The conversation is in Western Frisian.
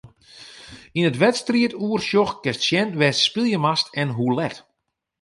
Yn it wedstriidoersjoch kinst sjen wêr'tst spylje moatst en hoe let.